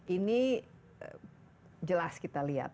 ini jelas kita lihat